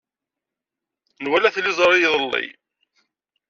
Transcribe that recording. Nwala tiliẓri iḍelli.